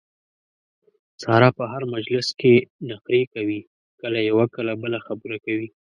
ساره په هر مجلس کې نخرې کوي کله یوه کله بله خبره کوي.